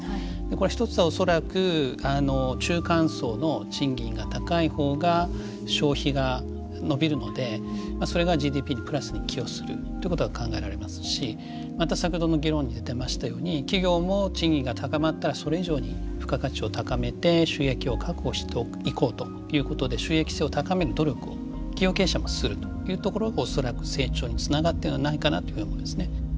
これは一つは恐らく中間層の賃金が高い方が消費が伸びるのでそれがＧＤＰにプラスに寄与するということが考えられますしまた先ほどの議論に出てましたように企業も賃金が高まったらそれ以上に付加価値を高めて収益を確保していこうということで収益性を高める努力を企業経営者もするというところが恐らく成長につながってるんではないかなというふうに思いますね。